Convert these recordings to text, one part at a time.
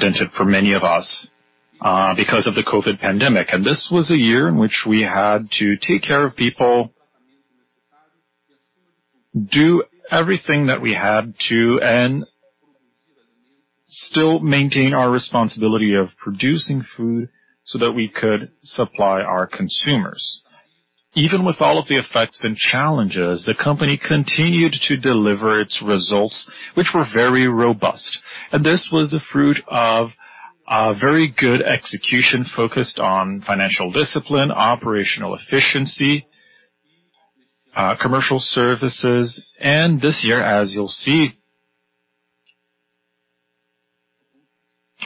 Unprecedented for many of us because of the COVID pandemic. This was a year in which we had to take care of people, do everything that we had to, and still maintain our responsibility of producing food so that we could supply our consumers. Even with all of the effects and challenges, the company continued to deliver its results, which were very robust. This was the fruit of a very good execution focused on financial discipline, operational efficiency, commercial services. This year, as you'll see,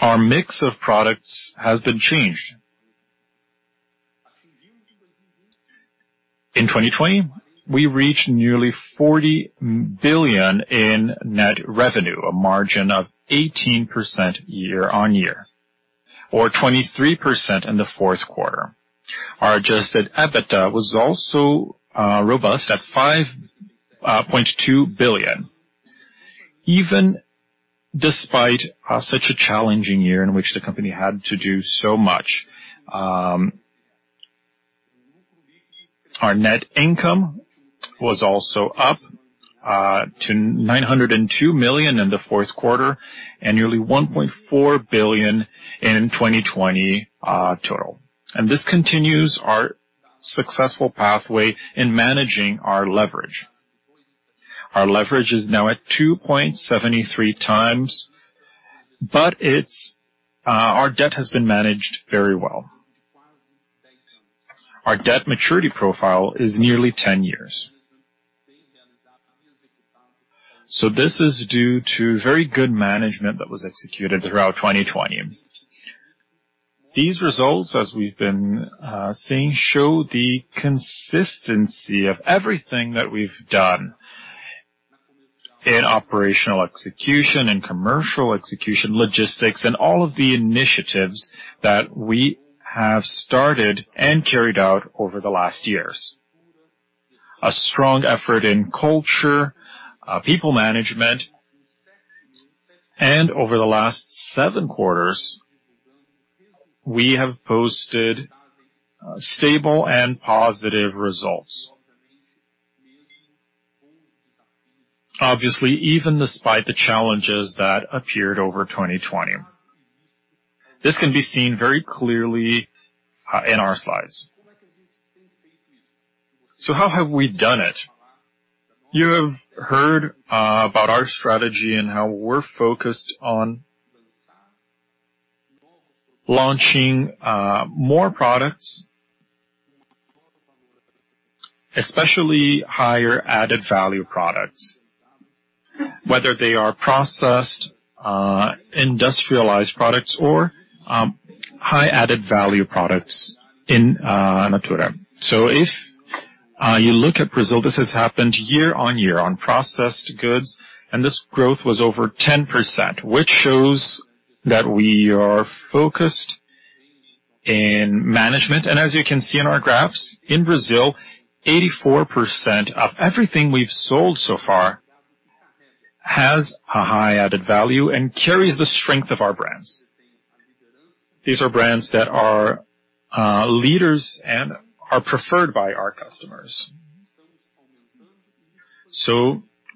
our mix of products has been changed. In 2020, we reached nearly 40 billion in net revenue, a margin of 18% year on year, or 23% in the fourth quarter. Our adjusted EBITDA was also robust at 5.2 billion. Even despite such a challenging year in which the company had to do so much, our net income was also up to 902 million in the fourth quarter and nearly 1.4 billion in 2020 total. This continues our successful pathway in managing our leverage. Our leverage is now at 2.73x, our debt has been managed very well. Our debt maturity profile is nearly 10 years. This is due to very good management that was executed throughout 2020. These results, as we've been seeing, show the consistency of everything that we've done in operational execution and commercial execution, logistics, and all of the initiatives that we have started and carried out over the last years. A strong effort in culture, people management, and over the last seven quarters, we have posted stable and positive results. Obviously, even despite the challenges that appeared over 2020. This can be seen very clearly in our slides. How have we done it? You have heard about our strategy and how we're focused on launching more products, especially higher added value products, whether they are processed, industrialized products or high added value products in natura. If you look at Brazil, this has happened year-over-year on processed goods, and this growth was over 10%, which shows that we are focused in management. As you can see in our graphs, in Brazil, 84% of everything we've sold so far has a high added value and carries the strength of our brands. These are brands that are leaders and are preferred by our customers.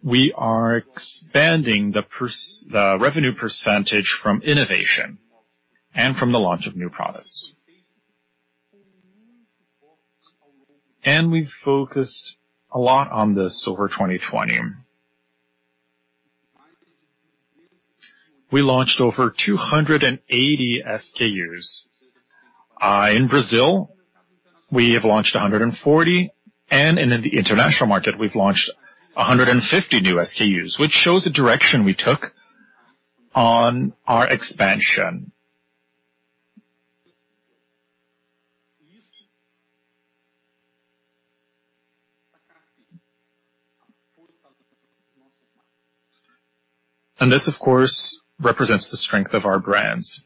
We are expanding the revenue percentage from innovation and from the launch of new products. We've focused a lot on this over 2020. We launched over 280 SKUs. In Brazil, we have launched 140, and in the international market, we've launched 150 new SKUs, which shows the direction we took on our expansion. This, of course, represents the strength of our brands.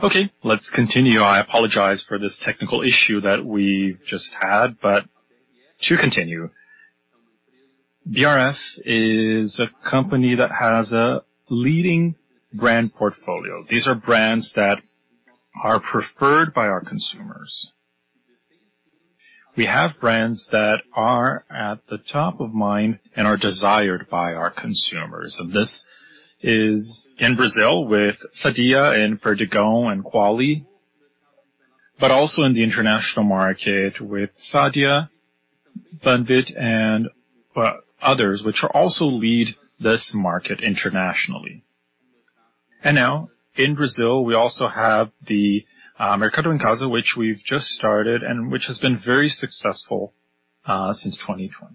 Okay, let's continue. I apologize for this technical issue that we just had, to continue. BRF is a company that has a leading brand portfolio. These are brands that are preferred by our consumers. We have brands that are at the top of mind and are desired by our consumers, this is in Brazil with Sadia and Perdigão and Qualy, also in the international market with Sadia, Banvit, and others, which also lead this market internationally. Now in Brazil, we also have the Mercado em Casa, which we've just started and which has been very successful since 2020.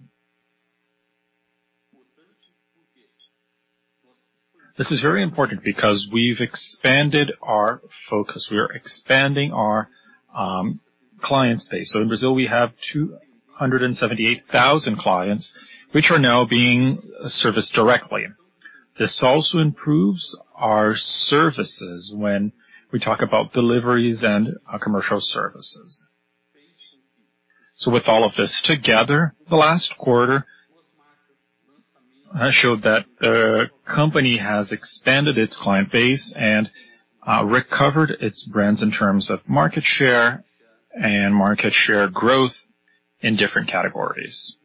This is very important because we've expanded our focus. We are expanding our client base. In Brazil, we have 278,000 clients, which are now being serviced directly. This also improves our services when we talk about deliveries and commercial services. With all of this together, the last quarter showed that the company has expanded its client base and recovered its brands in terms of market share and market share growth in different categories.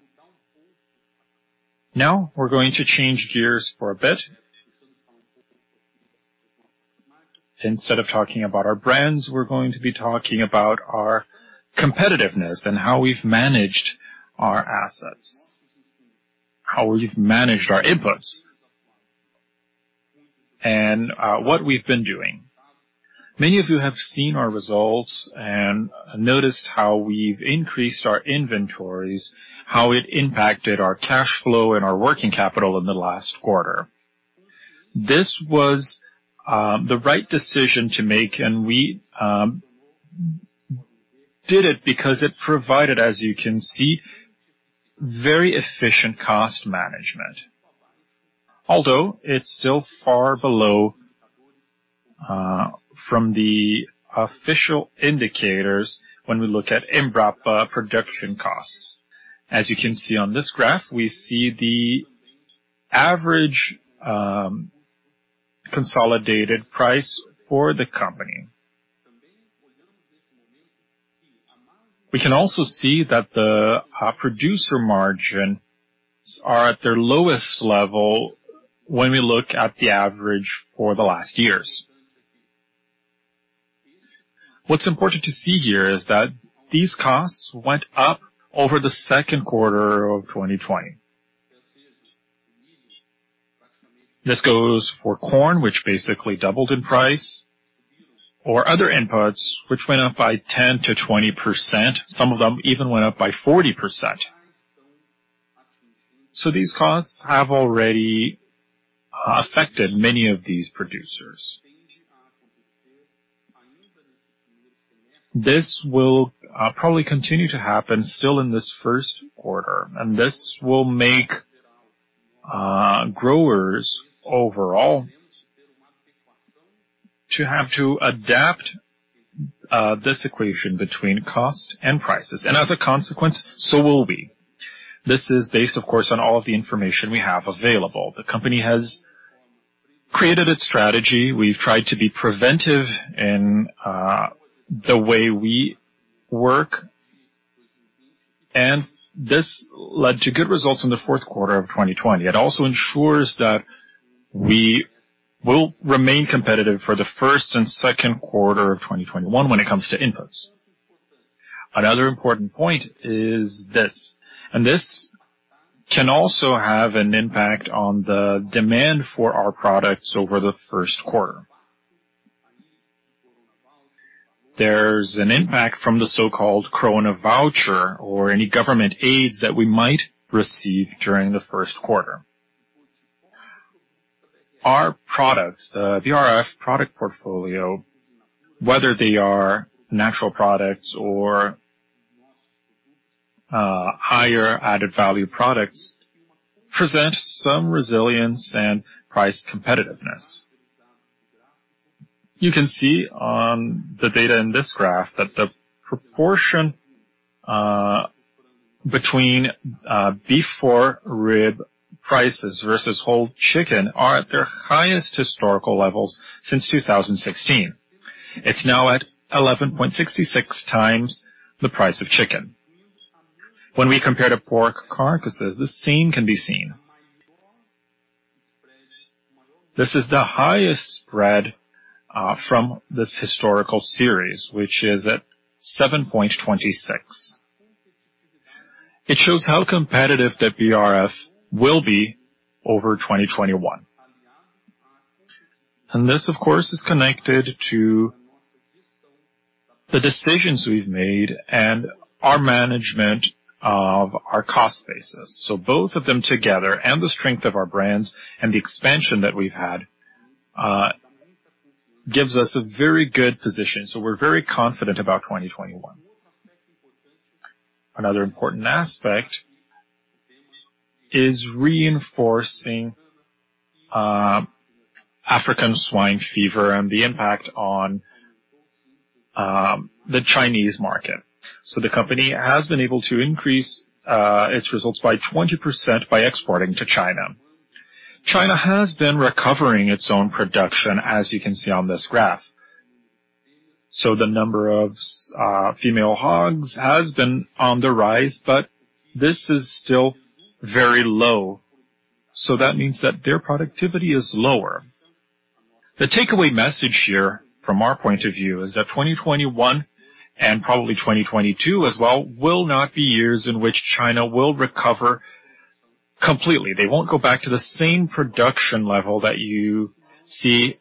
We're going to change gears for a bit. Instead of talking about our brands, we're going to be talking about our competitiveness and how we've managed our assets, how we've managed our inputs, and what we've been doing. Many of you have seen our results and noticed how we've increased our inventories, how it impacted our cash flow and our working capital in the last quarter. This was the right decision to make, and we did it because it provided, as you can see, very efficient cost management. Although it's still far below from the official indicators when we look at Embrapa production costs. As you can see on this graph, we see the average consolidated price for the company. We can also see that the producer margins are at their lowest level when we look at the average for the last years. What's important to see here is that these costs went up over the second quarter of 2020. This goes for corn, which basically doubled in price, or other inputs, which went up by 10%-20%. Some of them even went up by 40%. These costs have already affected many of these producers. This will probably continue to happen still in this first quarter, and this will make growers overall to have to adapt this equation between cost and prices. As a consequence, so will we. This is based, of course, on all of the information we have available. The company has created its strategy. We've tried to be preventive in the way we work, and this led to good results in the fourth quarter of 2020. It also ensures that we will remain competitive for the first and second quarter of 2021 when it comes to inputs. Another important point is this, and this can also have an impact on the demand for our products over the first quarter. There's an impact from the so-called Coronavoucher or any government aids that we might receive during the first quarter. Our products, the BRF product portfolio, whether they are natural products or higher added-value products, present some resilience and price competitiveness. You can see on the data in this graph that the proportion between before rib prices versus whole chicken are at their highest historical levels since 2016. It's now at 11.66 times the price of chicken. When we compare to pork carcasses, the same can be seen. This is the highest spread from this historical series, which is at 7.26. It shows how competitive BRF will be over 2021. This, of course, is connected to the decisions we've made and our management of our cost basis. Both of them together and the strength of our brands and the expansion that we've had gives us a very good position. We're very confident about 2021. Another important aspect is reinforcing African swine fever and the impact on the Chinese market. The company has been able to increase its results by 20% by exporting to China. China has been recovering its own production, as you can see on this graph. The number of female hogs has been on the rise, but this is still very low. That means that their productivity is lower. The takeaway message here from our point of view is that 2021 and probably 2022 as well, will not be years in which China will recover completely. They won't go back to the same production level that you see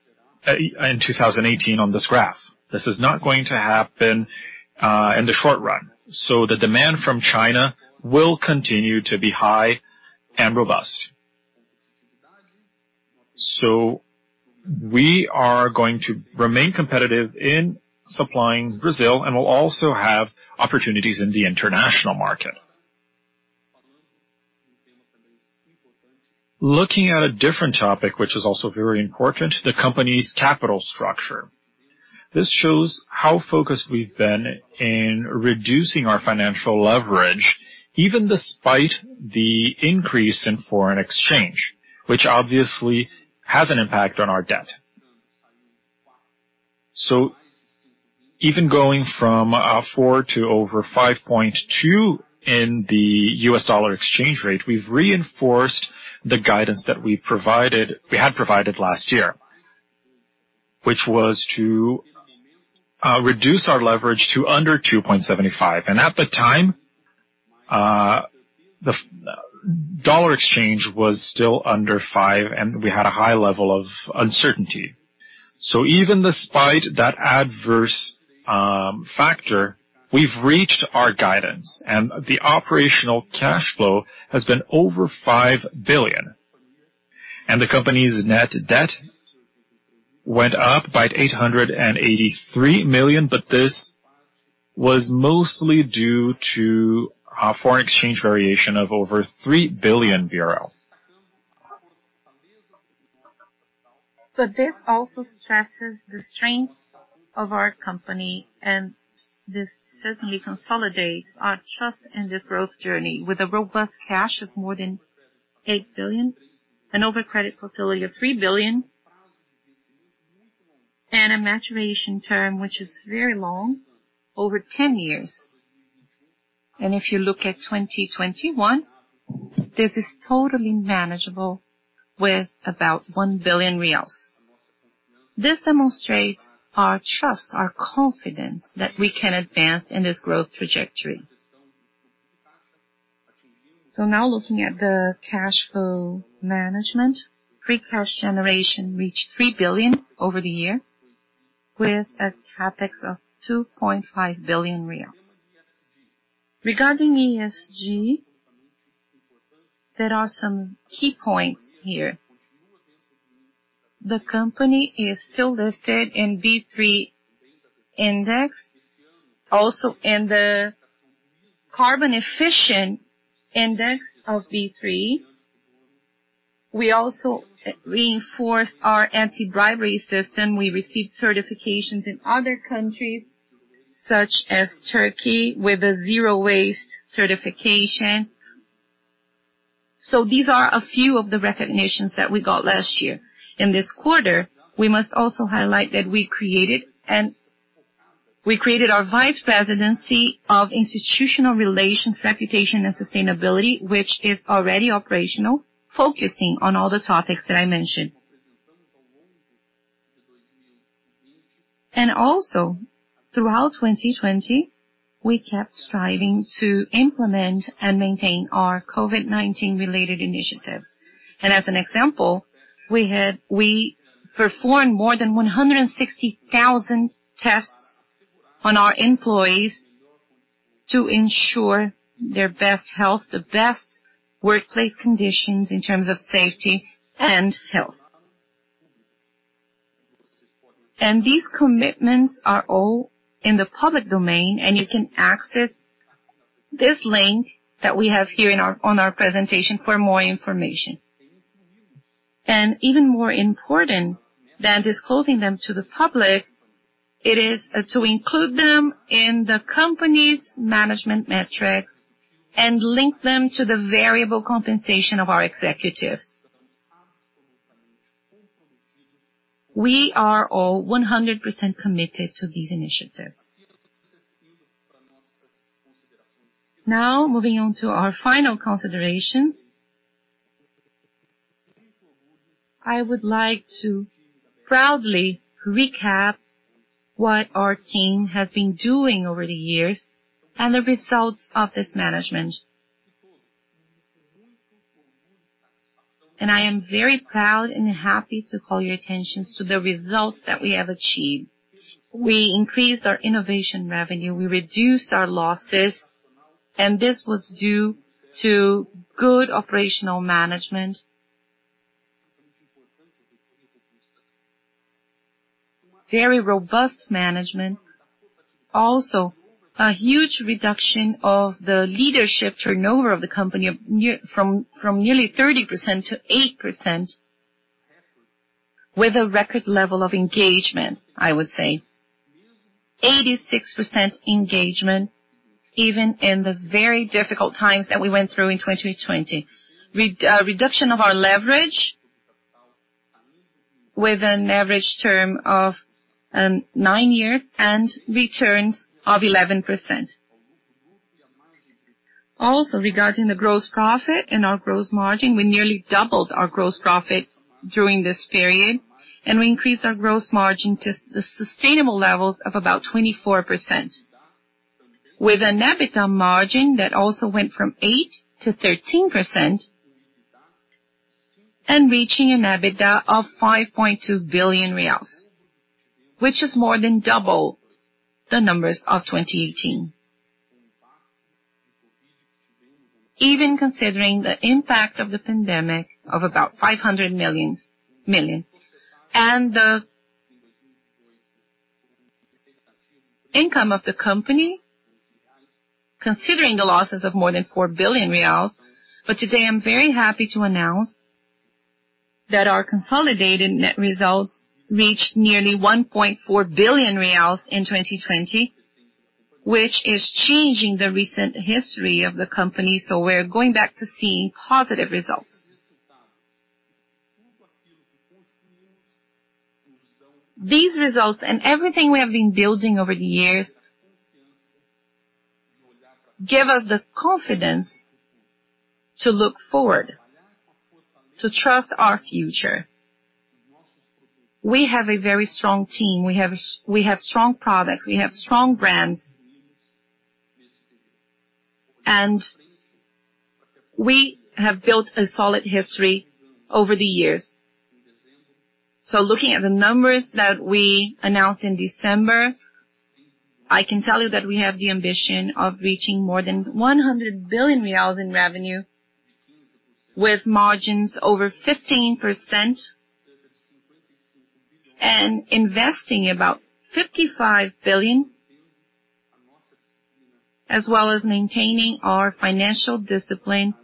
in 2018 on this graph. This is not going to happen in the short run. The demand from China will continue to be high and robust. We are going to remain competitive in supplying Brazil and will also have opportunities in the international market. Looking at a different topic, which is also very important, the company's capital structure. This shows how focused we've been in reducing our financial leverage, even despite the increase in foreign exchange, which obviously has an impact on our debt. Even going from four to over 5.2 in the US dollar exchange rate, we've reinforced the guidance that we had provided last year, which was to reduce our leverage to under 2.75. At the time, the dollar exchange was still under five and we had a high level of uncertainty. Even despite that adverse factor, we've reached our guidance and the operational cash flow has been over 5 billion. The company's net debt went up by 883 million, but this was mostly due to a foreign exchange variation of over 3 billion BRL. This also stresses the strength of our company, and this certainly consolidates our trust in this growth journey with a robust cash of more than 8 billion and over credit facility of 3 billion and a maturation term, which is very long, over 10 years. If you look at 2021, this is totally manageable with about BRL 1 billion. Now looking at the cash flow management, free cash generation reached 3 billion over the year with a CapEx of 2.5 billion reais. Regarding ESG, there are some key points here. The company is still listed in B3 Index, also in the Carbon Efficient Index of B3. We also reinforced our anti-bribery system. We received certifications in other countries such as Turkey with a zero waste certification. These are a few of the recognitions that we got last year. In this quarter, we must also highlight that we created our vice presidency of institutional relations, reputation, and sustainability, which is already operational, focusing on all the topics that I mentioned. Throughout 2020, we kept striving to implement and maintain our COVID-19 related initiatives. As an example, we performed more than 160,000 tests on our employees to ensure their best health, the best workplace conditions in terms of safety and health. These commitments are all in the public domain, and you can access this link that we have here on our presentation for more information. Even more important than disclosing them to the public, it is to include them in the company's management metrics and link them to the variable compensation of our executives. We are all 100% committed to these initiatives. Now, moving on to our final considerations. I would like to proudly recap what our team has been doing over the years and the results of this management. I am very proud and happy to call your attentions to the results that we have achieved. We increased our innovation revenue, we reduced our losses, and this was due to good operational management. Very robust management. Also, a huge reduction of the leadership turnover of the company from nearly 30% to 8%, with a record level of engagement, I would say. 86% engagement, even in the very difficult times that we went through in 2020. Reduction of our leverage with an average term of nine years and returns of 11%. Also, regarding the gross profit and our gross margin, we nearly doubled our gross profit during this period, and we increased our gross margin to the sustainable levels of about 24%, with an EBITDA margin that also went from 8% to 13% and reaching an EBITDA of BRL 5.2 billion. Which is more than double the numbers of 2018. Even considering the impact of the pandemic of about 500 million. The income of the company, considering the losses of more than 4 billion reais. Today, I'm very happy to announce that our consolidated net results reached nearly 1.4 billion reais in 2020, which is changing the recent history of the company. We're going back to seeing positive results. These results and everything we have been building over the years give us the confidence to look forward, to trust our future. We have a very strong team. We have strong products. We have strong brands. We have built a solid history over the years. Looking at the numbers that we announced in December, I can tell you that we have the ambition of reaching more than 100 billion reais in revenue, with margins over 15% and investing about 55 billion, as well as maintaining our financial discipline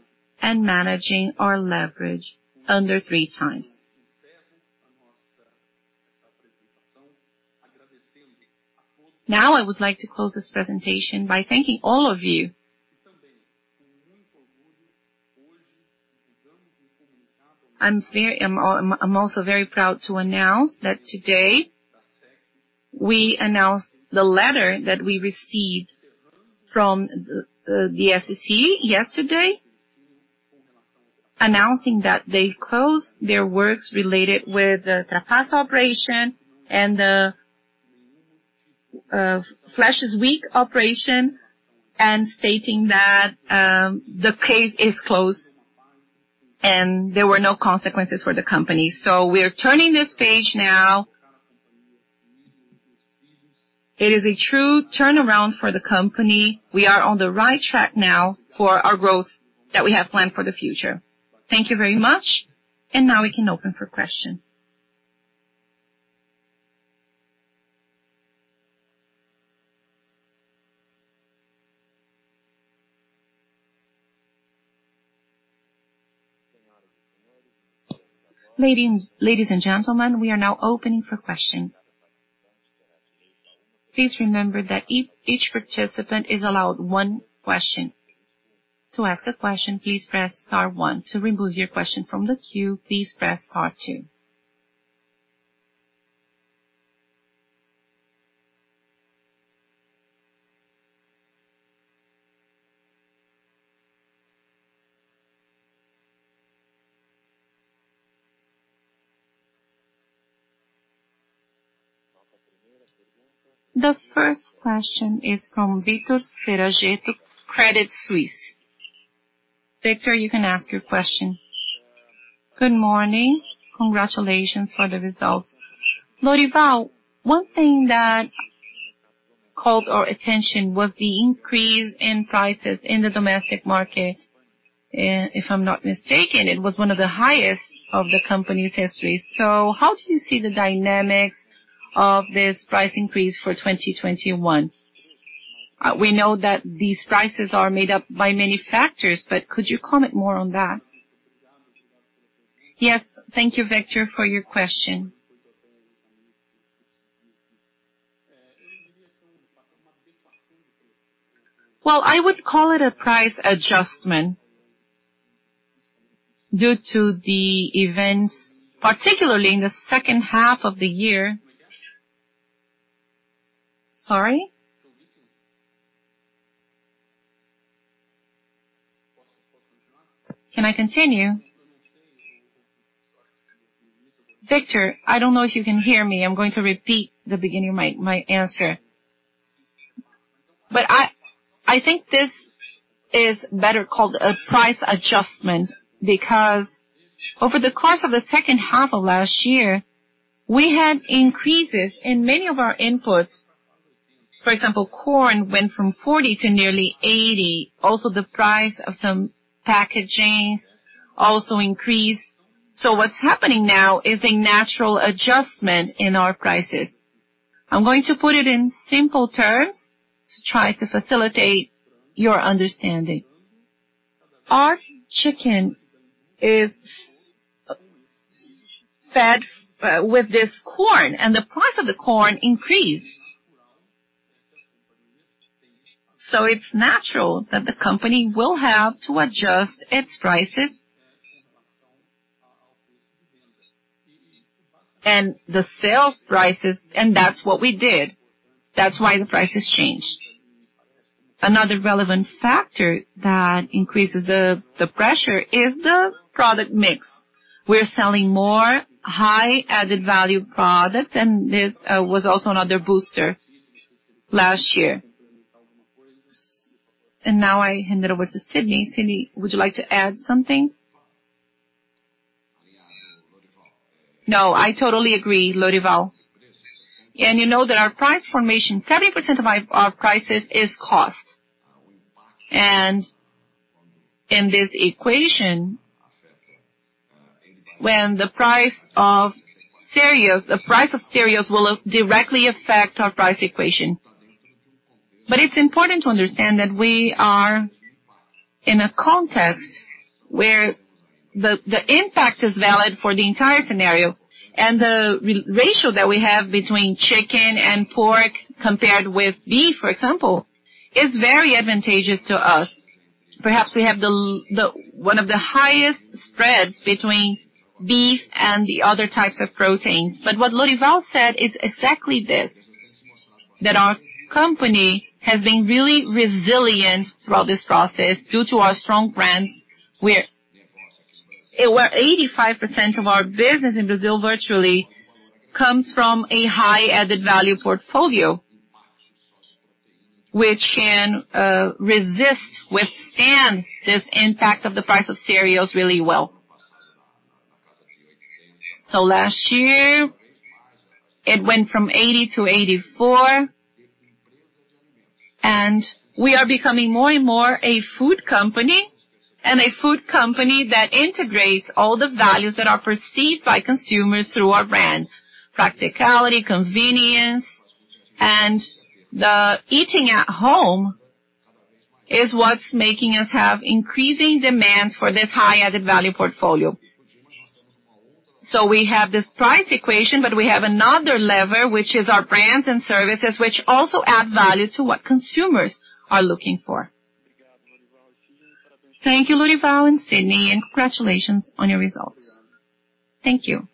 and managing our leverage under 3x. I would like to close this presentation by thanking all of you. I'm also very proud to announce that today we announced the letter that we received from the SEC yesterday, announcing that they closed their works related with the Carne Fraca operation and the flashes week operation, and stating that the case is closed and there were no consequences for the company. We're turning this page now. It is a true turnaround for the company. We are on the right track now for our growth that we have planned for the future. Thank you very much, and now we can open for questions. Ladies and gentlemen, we are now opening for questions. Please remember that each participant is allowed one question. To ask a question, please press star one. To remove your question from the queue, please press star two. The first question is from Victor Saragiotto, Credit Suisse. Victor, you can ask your question. Good morning. Congratulations for the results. Lorival, one thing that called our attention was the increase in prices in the domestic market. If I'm not mistaken, it was one of the highest of the company's history. How do you see the dynamics of this price increase for 2021? We know that these prices are made up by many factors, but could you comment more on that? Yes. Thank you, Victor, for your question. I would call it a price adjustment due to the events, particularly in the second half of the year. Sorry? Can I continue? Victor, I don't know if you can hear me. I am going to repeat the beginning of my answer. I think this is better called a price adjustment because over the course of the second half of last year, we had increases in many of our inputs. For example, corn went from 40 to nearly 80. Also, the price of some packagings also increased. What is happening now is a natural adjustment in our prices. I am going to put it in simple terms to try to facilitate your understanding. Our chicken is fed with this corn, and the price of the corn increased. It's natural that the company will have to adjust its prices and the sales prices, and that's what we did. That's why the prices changed. Another relevant factor that increases the pressure is the product mix. We're selling more high added-value products, and this was also another booster last year. Now I hand it over to Sidney. Sidney, would you like to add something? No, I totally agree, Lorival. You know that our price formation, 70% of our prices is cost. In this equation, the price of cereals will directly affect our price equation. It's important to understand that we are in a context where the impact is valid for the entire scenario, and the ratio that we have between chicken and pork, compared with beef, for example, is very advantageous to us. Perhaps we have one of the highest spreads between beef and the other types of protein. What Lorival said is exactly this, that our company has been really resilient throughout this process due to our strong brands, where 85% of our business in Brazil virtually comes from a high added value portfolio, which can withstand this impact of the price of cereals really well. Last year, it went from 80 to 84, and we are becoming more and more a food company, and a food company that integrates all the values that are perceived by consumers through our brand. Practicality, convenience, and the eating at home is what's making us have increasing demands for this high added-value portfolio. We have this price equation, but we have another lever, which is our brands and services, which also add value to what consumers are looking for. Thank you, Lorival and Sidney, congratulations on your results. Thank you.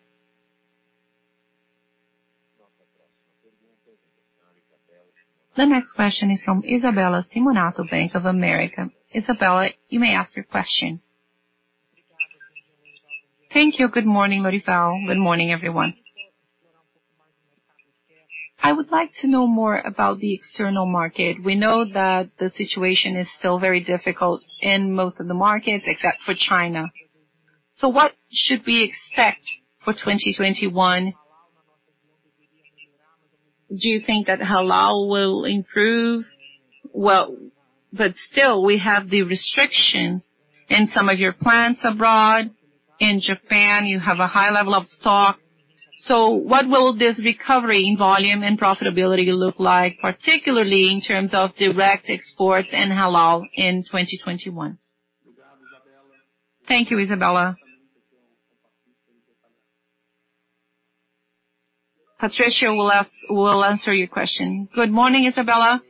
The next question is from Isabella Simonato, Bank of America. Isabella, you may ask your question. Thank you. Good morning, Lorival. Good morning, everyone. I would like to know more about the external market. We know that the situation is still very difficult in most of the markets except for China. What should we expect for 2021? Do you think that halal will improve? Still, we have the restrictions in some of your plants abroad. In Japan, you have a high level of stock. What will this recovery in volume and profitability look like, particularly in terms of direct exports and halal in 2021? Thank you, Isabella. Patricio will answer your question. Good morning, Isabella.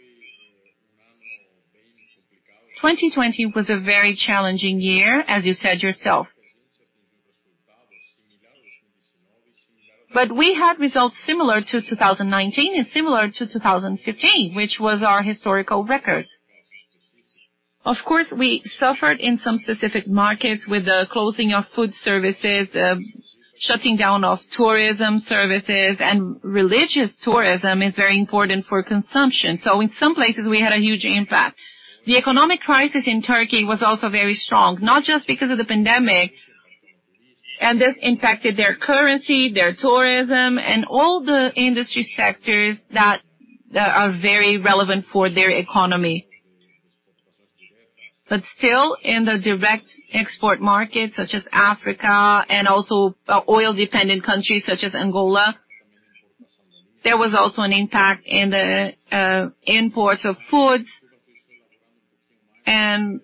2020 was a very challenging year, as you said yourself. We had results similar to 2019 and similar to 2015, which was our historical record. Of course, we suffered in some specific markets with the closing of food services, shutting down of tourism services, and religious tourism is very important for consumption. In some places, we had a huge impact. The economic crisis in Turkey was also very strong, not just because of the pandemic, and this impacted their currency, their tourism, and all the industry sectors that are very relevant for their economy. Still, in the direct export markets such as Africa and also oil-dependent countries such as Angola, there was also an impact in the imports of foods, and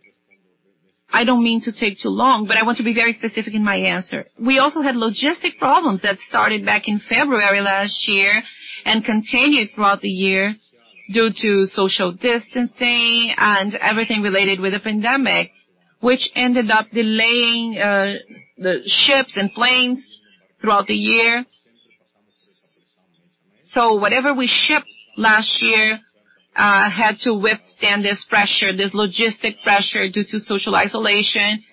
I don't mean to take too long, but I want to be very specific in my answer. We also had logistic problems that started back in February last year and continued throughout the year due to social distancing and everything related with the pandemic, which ended up delaying the ships and planes throughout the year. Whatever we shipped last year had to withstand this pressure, this logistic pressure due to social isolation.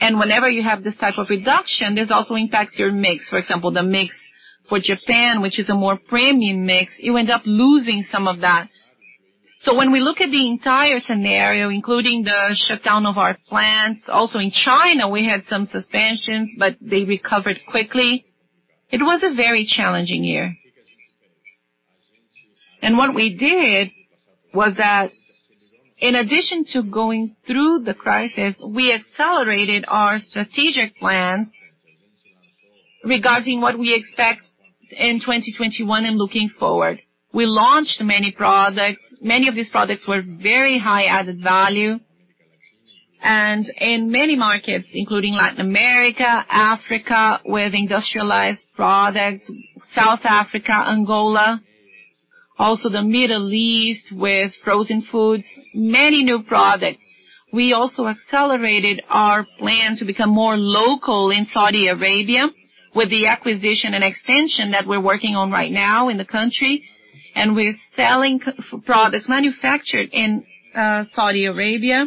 Whenever you have this type of reduction, this also impacts your mix. For example, the mix for Japan, which is a more premium mix, you end up losing some of that. When we look at the entire scenario, including the shutdown of our plants, also in China, we had some suspensions, but they recovered quickly. It was a very challenging year. What we did was that in addition to going through the crisis, we accelerated our strategic plans regarding what we expect in 2021 and looking forward. We launched many products. Many of these produtts were very high added value. In many markets, including Latin America, Africa, with industrialized products, South Africa, Angola, also the Middle East with frozen foods, many new products. We also accelerated our plan to become more local in Saudi Arabia with the acquisition and extension that we're working on right now in the country. We're selling products manufactured in Saudi Arabia.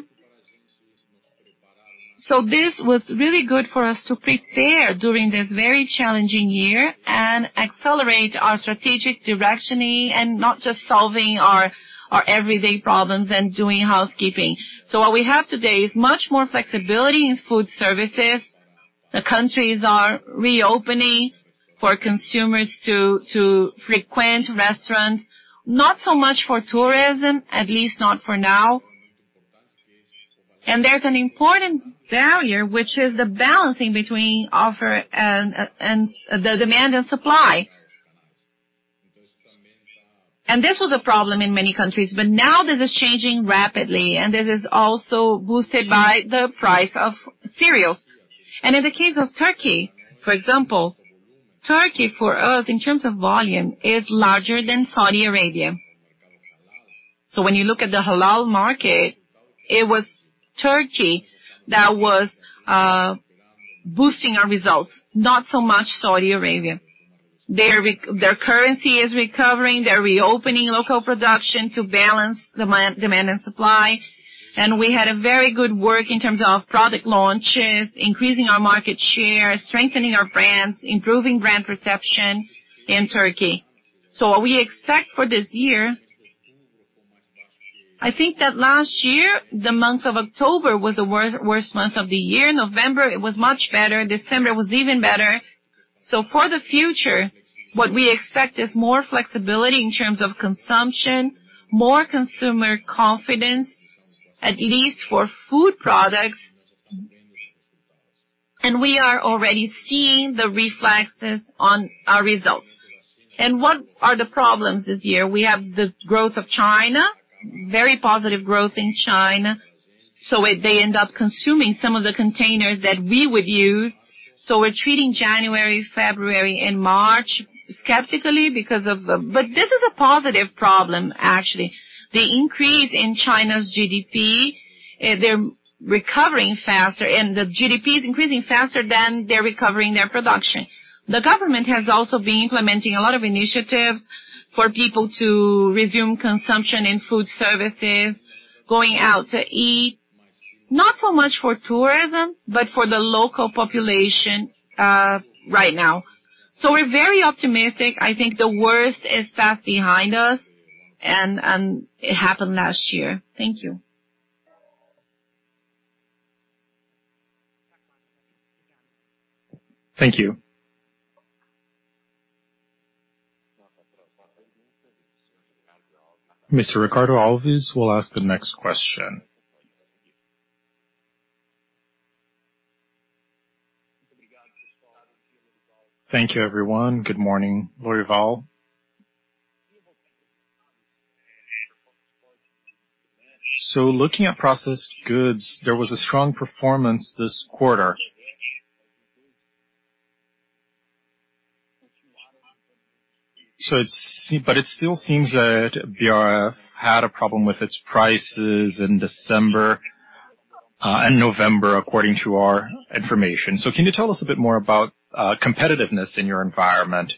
This was really good for us to prepare during this very challenging year and accelerate our strategic directioning and not just solving our everyday problems and doing housekeeping. What we have today is much more flexibility in food services. The countries are reopening for consumers to frequent restaurants, not so much for tourism, at least not for now. There's an important barrier, which is the balancing between offer and the demand and supply. This was a problem in many countries, but now this is changing rapidly, and this is also boosted by the price of cereals. In the case of Turkey, for example, Turkey for us in terms of volume is larger than Saudi Arabia. When you look at the halal market, it was Turkey that was boosting our results, not so much Saudi Arabia. Their currency is recovering. They're reopening local production to balance demand and supply. We had a very good work in terms of product launches, increasing our market share, strengthening our brands, improving brand perception in Turkey. What we expect for this year, I think that last year, the month of October was the worst month of the year. November, it was much better. December was even better. For the future, what we expect is more flexibility in terms of consumption, more consumer confidence, at least for food products, and we are already seeing the reflexes on our results. What are the problems this year? We have the growth of China, very positive growth in China. They end up consuming some of the containers that we would use. We're treating January, February, and March skeptically. This is a positive problem, actually. The increase in China's GDP, they're recovering faster, and the GDP is increasing faster than they're recovering their production. The government has also been implementing a lot of initiatives for people to resume consumption in food services, going out to eat, not so much for tourism, but for the local population right now. We're very optimistic. I think the worst is fast behind us, and it happened last year. Thank you. Thank you. Mr. Ricardo Alves will ask the next question. Thank you, everyone. Good morning, Lorival. Looking at processed goods, there was a strong performance this quarter. It still seems that BRF had a problem with its prices in December and November, according to our information. Can you tell us a bit more about competitiveness in your environment,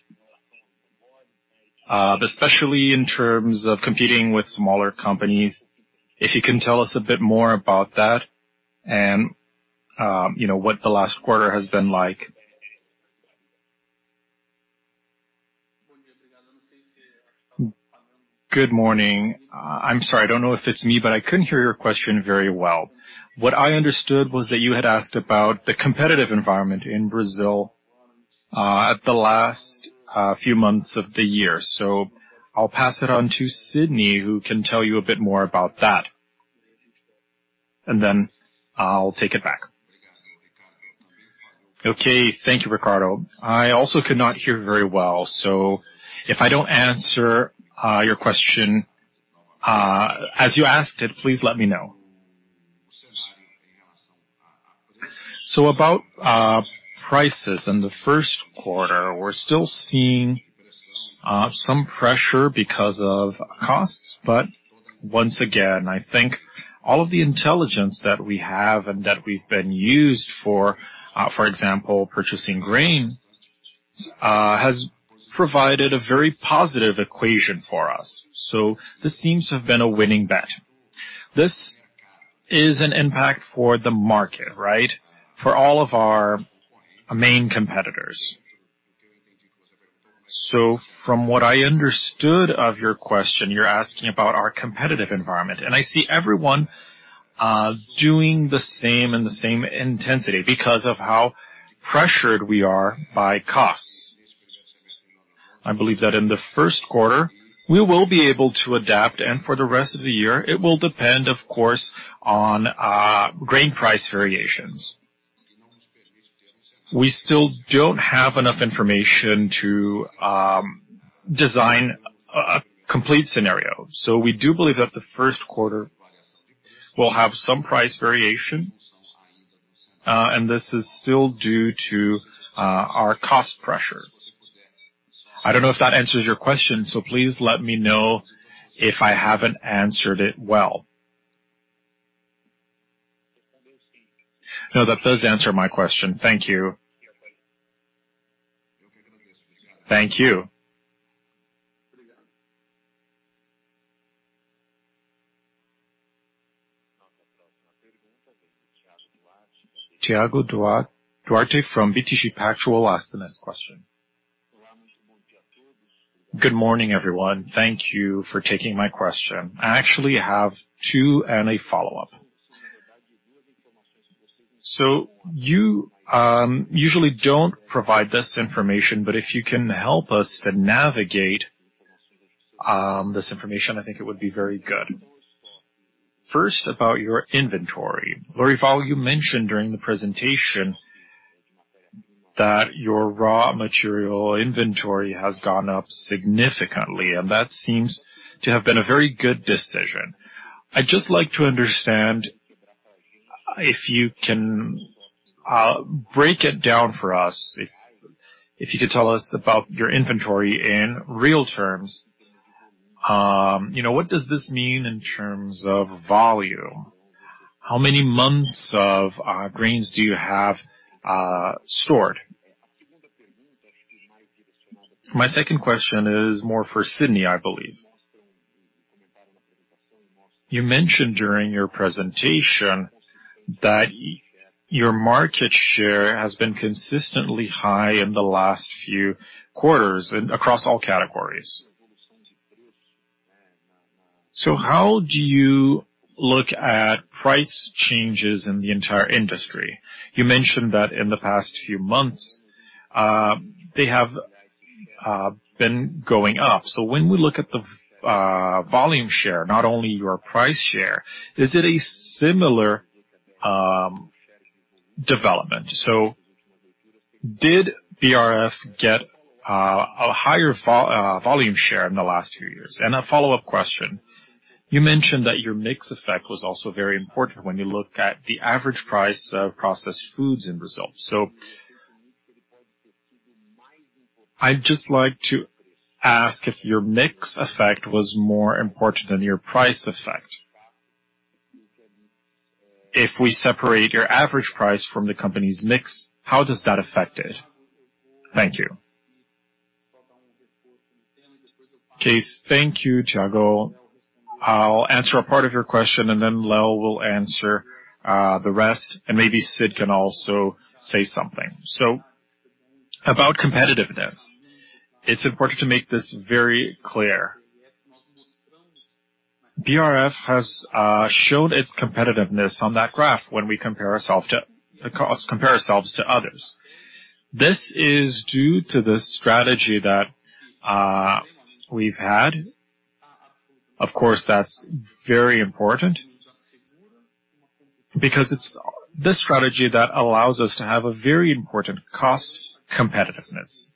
especially in terms of competing with smaller companies? If you can tell us a bit more about that and what the last quarter has been like. Good morning. I'm sorry. I don't know if it's me, but I couldn't hear your question very well. What I understood was that you had asked about the competitive environment in Brazil at the last few months of the year. I'll pass it on to Sidney, who can tell you a bit more about that. Then I'll take it back. Thank you, Ricardo. I also could not hear very well. If I don't answer your question as you asked it, please let me know. About prices in the first quarter, we're still seeing some pressure because of costs. Once again, I think all of the intelligence that we have and that we've been used for example, purchasing grain, has provided a very positive equation for us. This seems to have been a winning bet. This is an impact for the market, right? For all of our main competitors. From what I understood of your question, you're asking about our competitive environment, and I see everyone doing the same in the same intensity because of how pressured we are by costs. I believe that in the first quarter we will be able to adapt, and for the rest of the year it will depend, of course, on grain price variations. We still don't have enough information to design a complete scenario. We do believe that the first quarter will have some price variation, and this is still due to our cost pressure. I don't know if that answers your question, so please let me know if I haven't answered it well. No, that does answer my question. Thank you. Thank you. Thiago Duarte from BTG Pactual asks the next question. Good morning, everyone. Thank you for taking my question. I actually have two and a follow-up. You usually don't provide this information, but if you can help us to navigate this information, I think it would be very good. First, about your inventory. Lorival, you mentioned during the presentation that your raw material inventory has gone up significantly, and that seems to have been a very good decision. I'd just like to understand if you can break it down for us, if you could tell us about your inventory in real terms. What does this mean in terms of volume? How many months of grains do you have stored? My second question is more for Sidney, I believe. You mentioned during your presentation that your market share has been consistently high in the last few quarters and across all categories. How do you look at price changes in the entire industry? You mentioned that in the past few months they have been going up. When we look at the volume share, not only your price share, is it a similar development? Did BRF get a higher volume share in the last few years? A follow-up question, you mentioned that your mix effect was also very important when you look at the average price of processed foods in Brazil. I'd just like to ask if your mix effect was more important than your price effect. If we separate your average price from the company's mix, how does that affect it? Thank you. Okay. Thank you, Thiago. I'll answer a part of your question and then Leo will answer the rest. Maybe Sid can also say something. About competitiveness, it's important to make this very clear. BRF has shown its competitiveness on that graph when we compare ourselves to others. This is due to the strategy that we've had. Of course, that's very important because it's this strategy that allows us to have a very important cost competitiveness.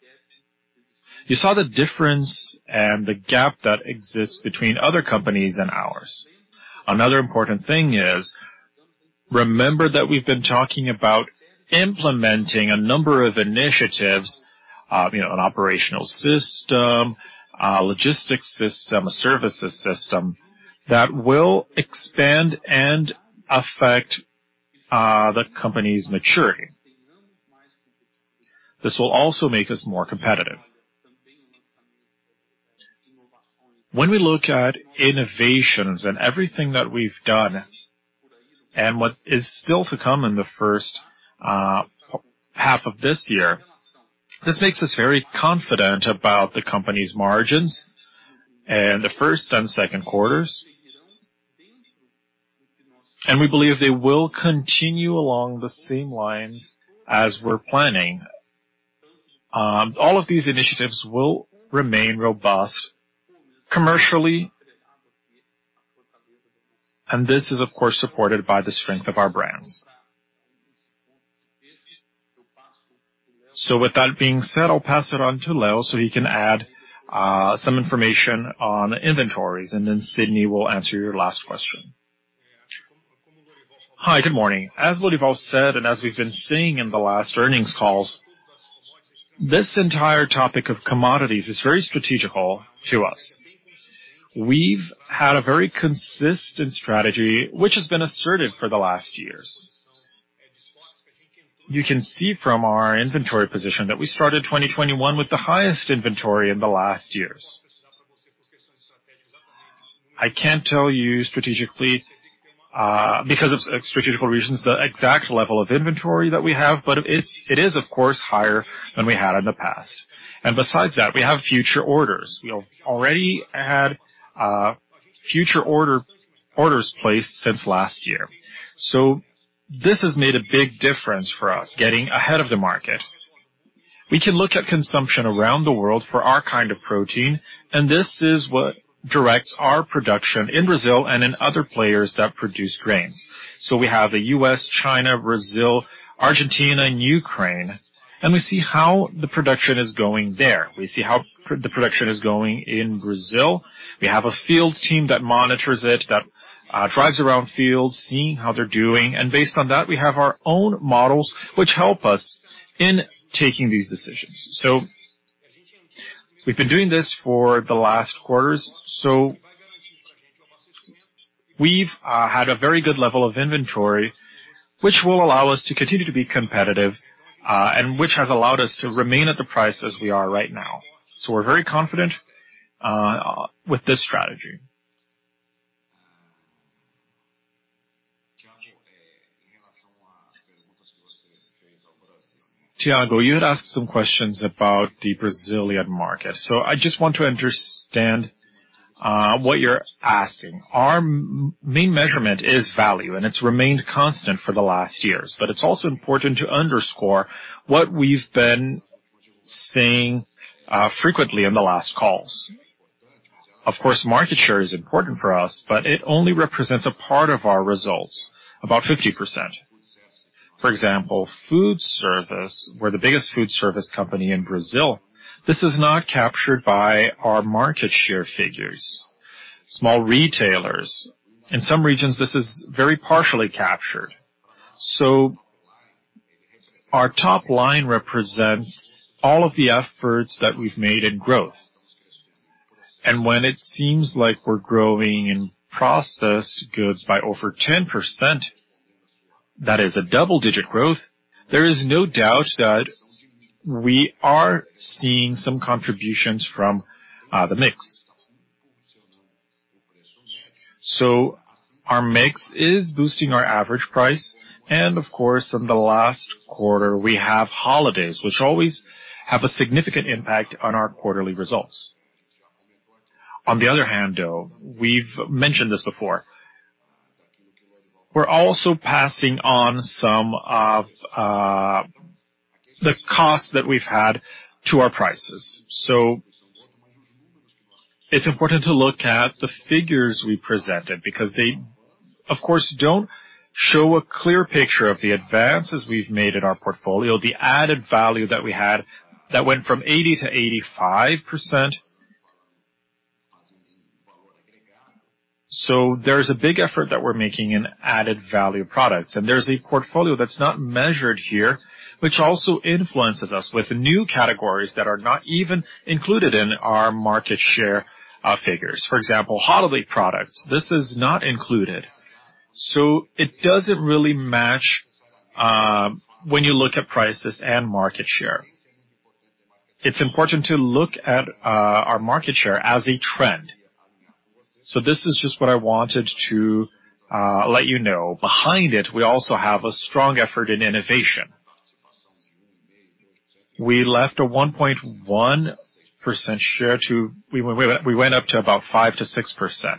You saw the difference and the gap that exists between other companies and ours. Another important thing is, remember that we've been talking about implementing a number of initiatives, an operational system, a logistics system, a services system that will expand and affect the company's maturity. This will also make us more competitive. When we look at innovations and everything that we've done and what is still to come in the first half of this year, this makes us very confident about the company's margins in the first and second quarters, and we believe they will continue along the same lines as we're planning. All of these initiatives will remain robust commercially, and this is, of course, supported by the strength of our brandsWith that being said, I'll pass it on to Leo so he can add some information on inventories, and then Sidney will answer your last question. Hi. Good morning. As Lourival said, and as we've been seeing in the last earnings calls, this entire topic of commodities is very strategical to us. We've had a very consistent strategy which has been asserted for the last years. You can see from our inventory position that we started 2021 with the highest inventory in the last years. I can't tell you strategically, because of strategical reasons, the exact level of inventory that we have, but it is of course higher than we had in the past. Besides that, we have future orders. We already had future orders placed since last year. This has made a big difference for us, getting ahead of the market. We can look at consumption around the world for our kind of protein. This is what directs our production in Brazil and in other players that produce grains. We have the U.S., China, Brazil, Argentina, and Ukraine. We see how the production is going there. We see how the production is going in Brazil. We have a field team that monitors it, that drives around fields, seeing how they're doing. Based on that, we have our own models, which help us in taking these decisions. We've been doing this for the last quarters, so we've had a very good level of inventory, which will allow us to continue to be competitive, and which has allowed us to remain at the price as we are right now. We're very confident with this strategy. Thiago, you had asked some questions about the Brazilian market. I just want to understand what you're asking. Our main measurement is value, and it's remained constant for the last years. It's also important to underscore what we've been saying frequently in the last calls. Of course, market share is important for us. It only represents a part of our results, about 50%. For example, food service. We're the biggest food service company in Brazil. This is not captured by our market share figures. Small retailers. In some regions, this is very partially captured. Our top line represents all of the efforts that we've made in growth. When it seems like we're growing in processed goods by over 10%, that is a double-digit growth, there is no doubt that we are seeing some contributions from the mix. Our mix is boosting our average price, and of course, in the last quarter, we have holidays, which always have a significant impact on our quarterly results. On the other hand, though, we've mentioned this before, we're also passing on some of the costs that we've had to our prices. It's important to look at the figures we presented because they, of course, don't show a clear picture of the advances we've made in our portfolio, the added value that we had that went from 80% to 85%. There's a big effort that we're making in added value products, and there's a portfolio that's not measured here, which also influences us with new categories that are not even included in our market share figures. For example, holiday products. This is not included. It doesn't really match when you look at prices and market share. It's important to look at our market share as a trend. This is just what I wanted to let you know. Behind it, we also have a strong effort in innovation. We went up to about 5%-6%.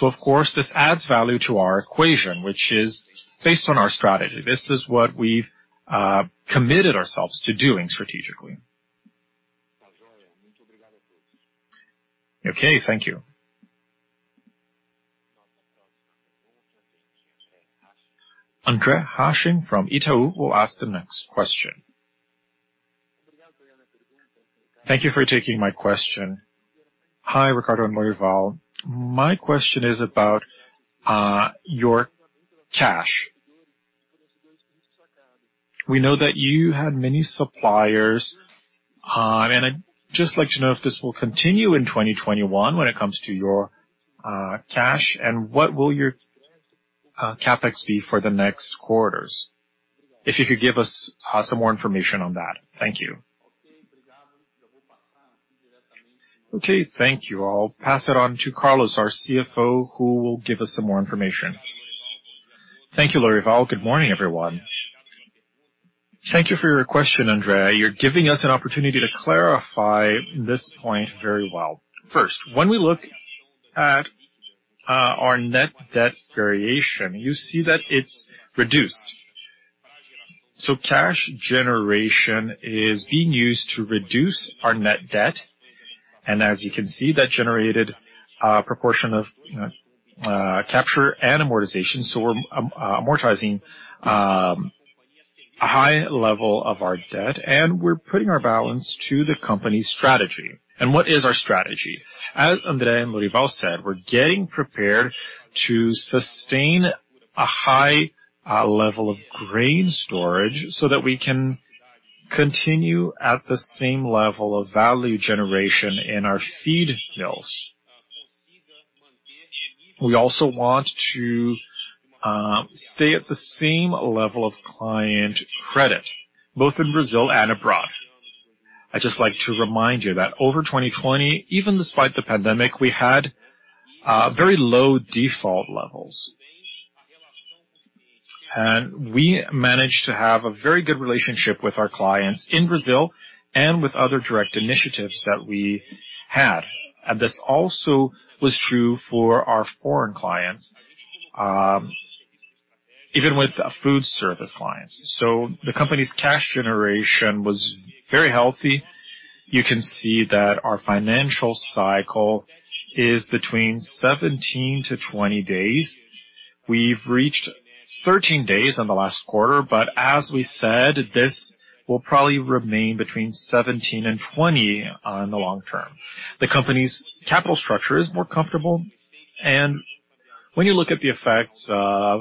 Of course, this adds value to our equation, which is based on our strategy. This is what we've committed ourselves to doing strategically. Okay, thank you. Gustavo Troyano from Itaú will ask the next question. Thank you for taking my question. Hi, Ricardo and Lorival. My question is about your cash. We know that you had many suppliers. I'd just like to know if this will continue in 2021 when it comes to your cash, and what will your CapEx be for the next quarters? If you could give us some more information on that. Thank you. Okay, thank you. I'll pass it on to Carlos, our CFO, who will give us some more information. Thank you, Lorival. Good morning, everyone. Thank you for your question, Gustavo. You're giving us an opportunity to clarify this point very well. First, when we look at our net debt variation, you see that it's reduced. Cash generation is being used to reduce our net debt, and as you can see, that generated a proportion of capture and amortization. We're amortizing a high level of our debt, and we're putting our balance to the company's strategy. What is our strategy? As André, and Lorival said, we're getting prepared to sustain a high level of grain storage so that we can continue at the same level of value generation in our feed mills. We also want to stay at the same level of client credit, both in Brazil and abroad. I'd just like to remind you that over 2020, even despite the pandemic, we had very low default levels. We managed to have a very good relationship with our clients in Brazil and with other direct initiatives that we had. This also was true for our foreign clients, even with food service clients. The company's cash generation was very healthy. You can see that our financial cycle is between 17 to 20 days. We've reached 13 days in the last quarter, but as we said, this will probably remain between 17 and 20 on the long term. The company's capital structure is more comfortable. When you look at the effects of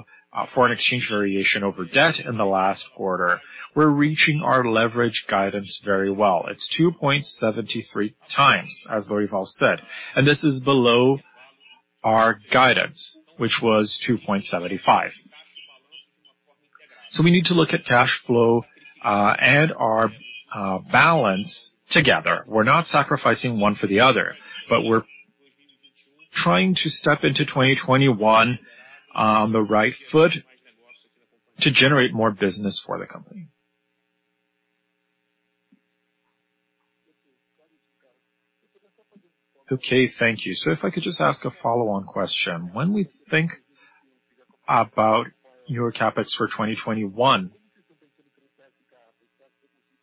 foreign exchange variation over debt in the last quarter, we're reaching our leverage guidance very well. It's 2.73x, as Lorival said, this is below our guidance, which was 2.75x. We need to look at cash flow and our balance together. We're not sacrificing one for the other, we're trying to step into 2021 on the right foot to generate more business for the company. Thank you. If I could just ask a follow-on question. When we think about your CapEx for 2021,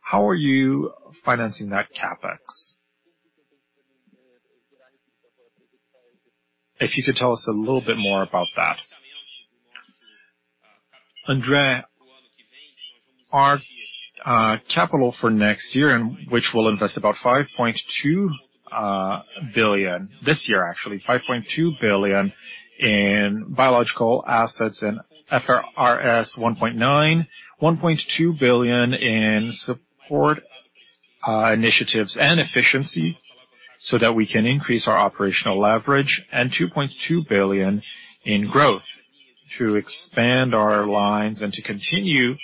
how are you financing that CapEx? If you could tell us a little bit more about that. André, our capital for next year, which we'll invest about 5.2 billion this year actually, 5.2 billion in biological assets and IFRS 1.9 billion, 1.2 billion in support initiatives and efficiency so that we can increase our operational leverage and 2.2 billion in growth to expand our lines and to continue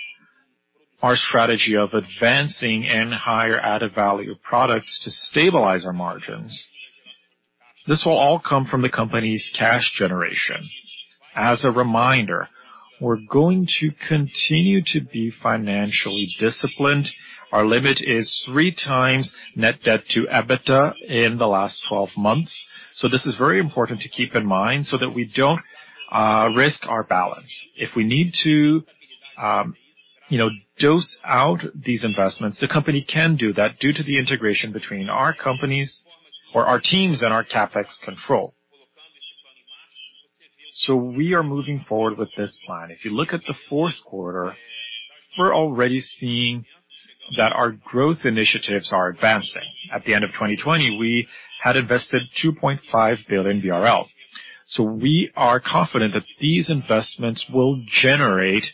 our strategy of advancing in higher added value products to stabilize our margins. This will all come from the company's cash generation. As a reminder, we're going to continue to be financially disciplined. Our limit is 3x net debt to EBITDA in the last 12 months. This is very important to keep in mind so that we don't risk our balance. If we need to dose out these investments, the company can do that due to the integration between our companies or our teams and our CapEx control. We are moving forward with this plan. If you look at the fourth quarter, we're already seeing that our growth initiatives are advancing. At the end of 2020, we had invested 2.5 billion BRL. We are confident that these investments will generate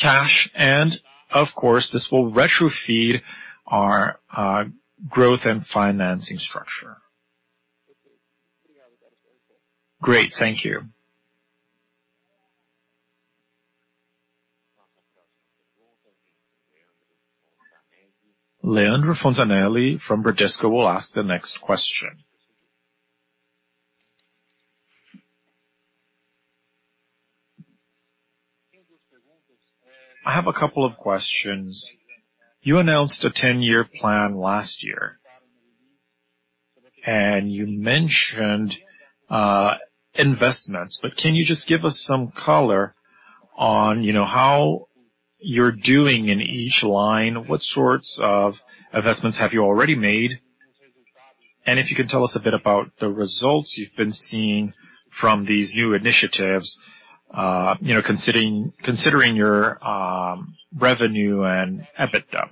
cash, and of course, this will retrofeed our growth and financing structure. Great. Thank you. Leandro Fontanesi from Bradesco will ask the next question. I have a couple of questions. You announced a 10-year plan last year, and you mentioned investments, but can you just give us some color on how you're doing in each line? What sorts of investments have you already made? If you can tell us a bit about the results you've been seeing from these new initiatives considering your revenue and EBITDA.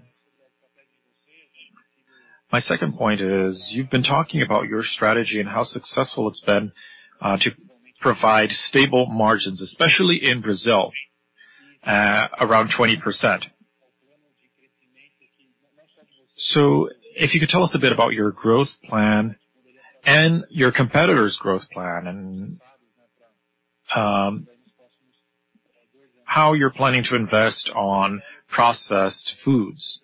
My second point is, you've been talking about your strategy and how successful it's been to provide stable margins, especially in Brazil, around 20%. If you could tell us a bit about your growth plan and your competitors' growth plan, and how you're planning to invest on processed foods.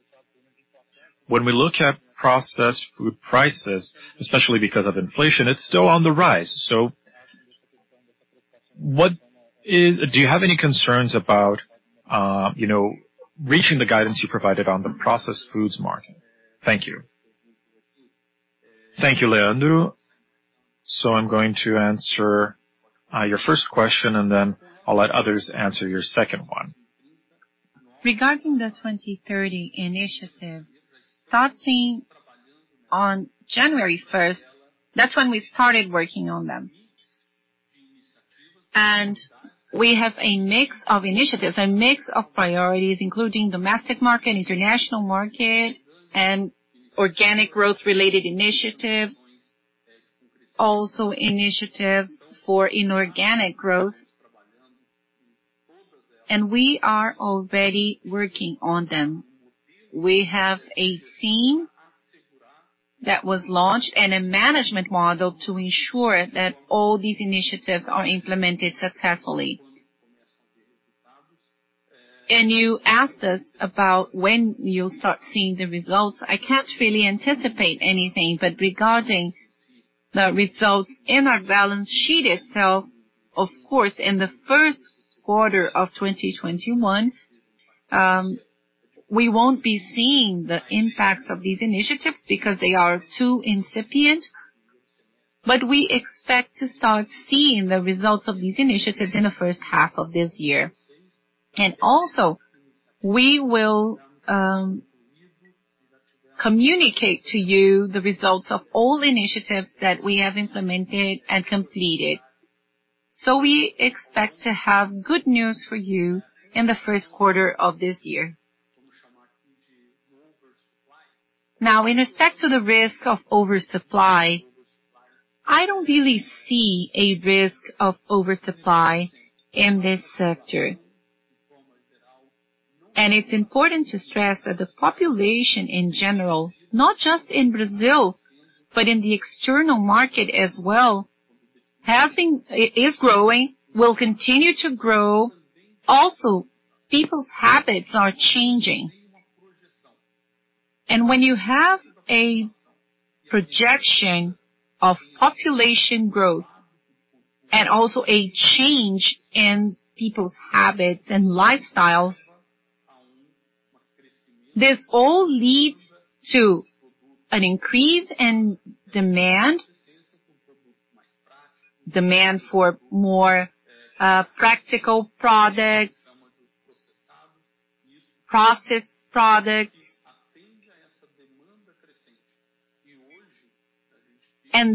When we look at processed food prices, especially because of inflation, it's still on the rise. Do you have any concerns about reaching the guidance you provided on the processed foods market? Thank you. Thank you, Leandro. I'm going to answer your first question, and then I'll let others answer your second one. Regarding the Vision 2030 initiative, starting on January 1st, that's when we started working on them. We have a mix of initiatives, a mix of priorities, including domestic market, international market, and organic growth-related initiatives, also initiatives for inorganic growth. We are already working on them. We have a team that was launched and a management model to ensure that all these initiatives are implemented successfully. You asked us about when you'll start seeing the results. I can't really anticipate anything, regarding the results in our balance sheet itself, of course, in the first quarter of 2021, we won't be seeing the impacts of these initiatives because they are too incipient. We expect to start seeing the results of these initiatives in the first half of this year. Also, we will communicate to you the results of all initiatives that we have implemented and completed. We expect to have good news for you in the first quarter of this year. In respect to the risk of oversupply, I don't really see a risk of oversupply in this sector. It's important to stress that the population in general, not just in Brazil, but in the external market as well, is growing, will continue to grow. Also, people's habits are changing. When you have a projection of population growth and also a change in people's habits and lifestyle, this all leads to an increase in demand for more practical products, processed products.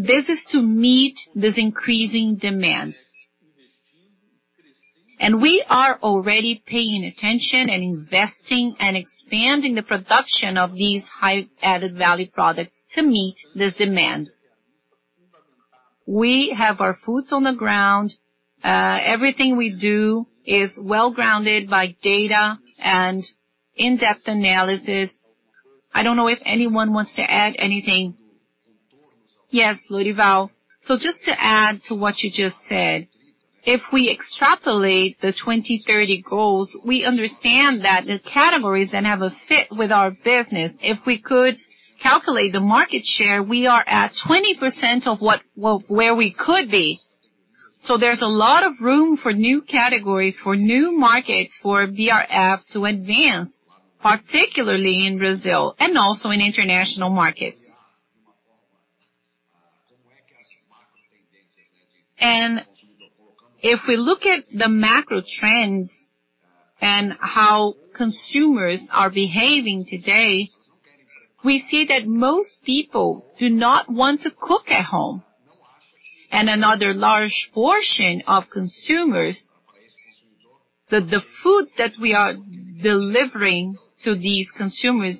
This is to meet this increasing demand. We are already paying attention and investing and expanding the production of these high added value products to meet this demand. We have our foot on the ground. Everything we do is well-grounded by data and in-depth analysis. I don't know if anyone wants to add anything. Yes, Lorival. Just to add to what you just said, if we extrapolate the 2030 goals, we understand that the categories that have a fit with our business, if we could calculate the market share, we are at 20% of where we could be. There's a lot of room for new categories, for new markets, for BRF to advance, particularly in Brazil and also in international markets. If we look at the macro trends and how consumers are behaving today, we see that most people do not want to cook at home. Another large portion of consumers, that the foods that we are delivering to these consumers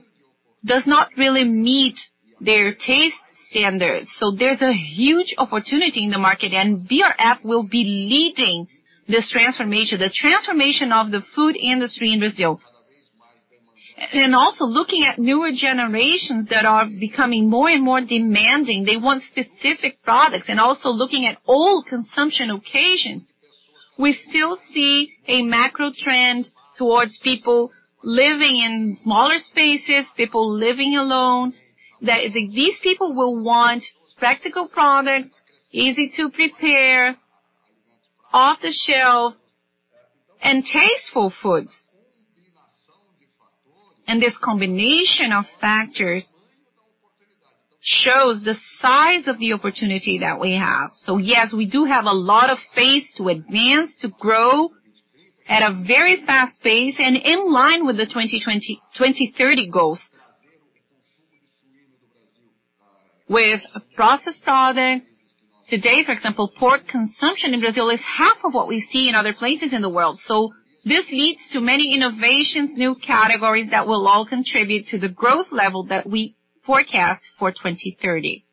does not really meet their taste standards. There's a huge opportunity in the market, and BRF will be leading this transformation, the transformation of the food industry in Brazil. Also looking at newer generations that are becoming more and more demanding. They want specific products and also looking at all consumption occasions. We still see a macro trend towards people living in smaller spaces, people living alone, that these people will want practical products, easy to prepare, off the shelf, and tasteful foods. This combination of factors shows the size of the opportunity that we have. Yes, we do have a lot of space to advance, to grow at a very fast pace and in line with the 2030 goals. With processed products today, for example, pork consumption in Brazil is half of what we see in other places in the world. This leads to many innovations, new categories that will all contribute to the growth level that we forecast for 2030.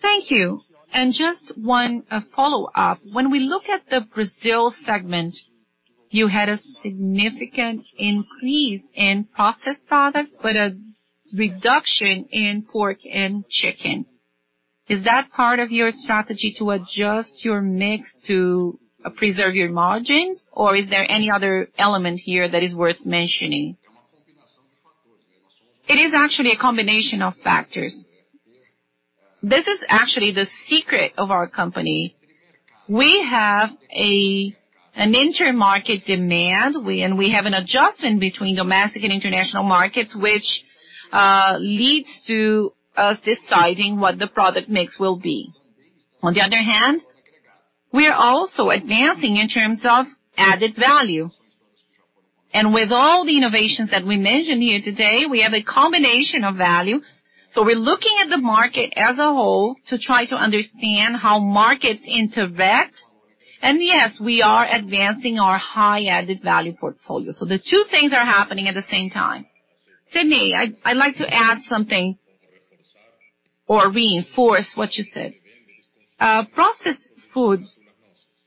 Thank you. Just one follow-up. When we look at the Brazil segment, you had a significant increase in processed products, but a reduction in pork and chicken. Is that part of your strategy to adjust your mix to preserve your margins? Is there any other element here that is worth mentioning? It is actually a combination of factors. This is actually the secret of our company. We have an intermarket demand, and we have an adjustment between domestic and international markets, which leads to us deciding what the product mix will be. On the other hand, we are also advancing in terms of added value. With all the innovations that we mentioned here today, we have a combination of value. We're looking at the market as a whole to try to understand how markets interact. Yes, we are advancing our high added value portfolio. The two things are happening at the same time. Sidney, I'd like to add something or reinforce what you said. Processed foods,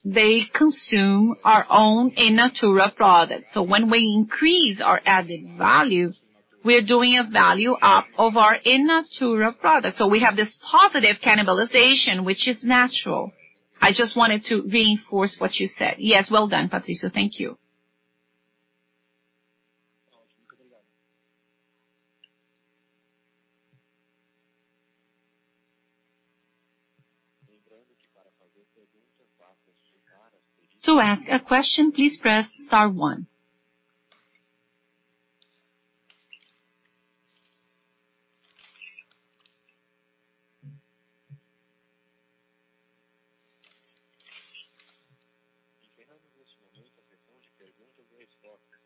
they consume our own in natura products. When we increase our added value, we are doing a value up of our in natura products. We have this positive cannibalization, which is natural. I just wanted to reinforce what you said. Yes. Well done, Patricio. Thank you. To ask a question, please press star one.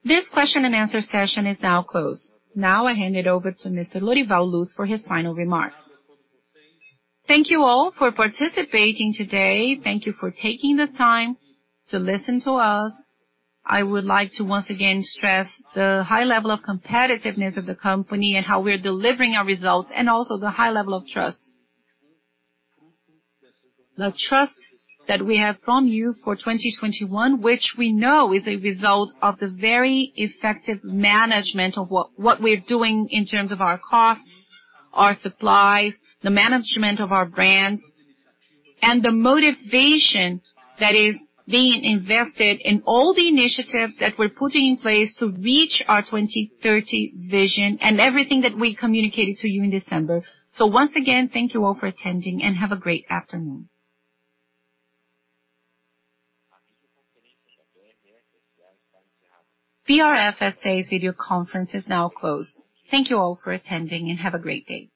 This question and answer session is now closed. Now I hand it over to Mr. Lorival Luz for his final remarks. Thank you all for participating today. Thank you for taking the time to listen to us. I would like to once again stress the high level of competitiveness of the company and how we're delivering our results and also the high level of trust. The trust that we have from you for 2021, which we know is a result of the very effective management of what we're doing in terms of our costs, our supplies, the management of our brands, and the motivation that is being invested in all the initiatives that we're putting in place to reach our 2030 Vision and everything that we communicated to you in December. Once again, thank you all for attending, and have a great afternoon. BRF S.A.'s video conference is now closed. Thank you all for attending, and have a great day.